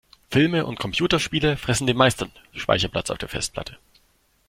Filme und Computerspiele fressen den meisten Speicherplatz auf der Festplatte.